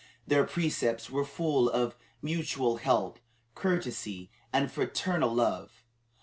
Their precepts were full of mutual help, courtesy, and fraternal love.